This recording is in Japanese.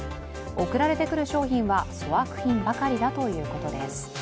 送られてくる商品は粗悪品ばかりだということです。